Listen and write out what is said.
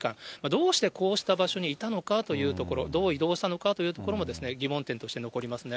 どうしてこうした場所にいたのかというところ、どう移動したのかというところも疑問点として残りますね。